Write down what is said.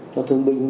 cho thương binh